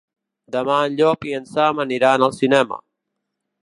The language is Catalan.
Demà en Llop i en Sam aniran al cinema.